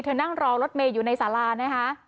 นั่งรอรถเมย์อยู่ในสารานะคะ